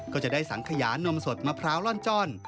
ก็จะได้สังขยานมสดมะพร้าวล่อนจ้อน